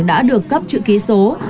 đã được cấp chữ ký số